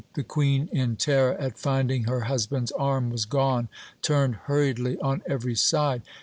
The Queen in terror at finding her husband's arm was gone turned hurriedly on every side.